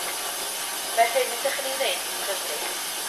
Mae'r hyn yr ydych yn ei wneud yn cyfri